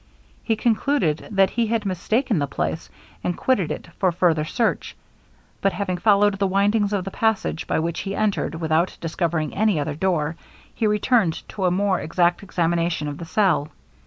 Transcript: He concluded that he had mistaken the place, and quitted it for further search; but having followed the windings of the passage, by which he entered, without discovering any other door, he returned to a more exact examination of the cell.